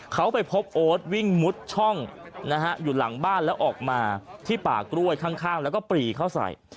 เขาไปพบโอ๊ตวิ่งมุดช่องนะฮะอยู่หลังบ้านแล้วออกมาที่ป่ากล้วยข้างแล้วก็ปรีเข้าใส่